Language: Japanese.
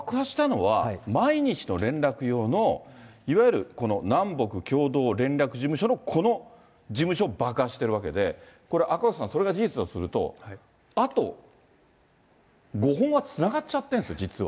キム・ジョンウンは取っただ、爆破したのは毎日の連絡用のいわゆるこの南北共同連絡事務所のこの事務所を爆破してるわけで、これ、赤星さん、これが事実だとすると、あと５本はつながっちゃってるんですよ、実は。